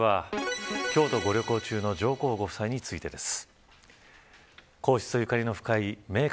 続いては、京都ご旅行中の上皇ご夫妻についてです。